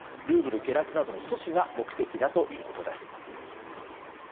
ルーブル下落などの阻止が目的だということです。